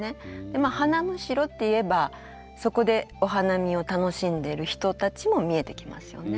「花筵」っていえばそこでお花見を楽しんでる人たちも見えてきますよね。